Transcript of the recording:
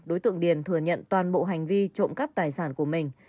đối tượng điền thừa nhận toàn bộ hành vi trộm cắp tài sản của mình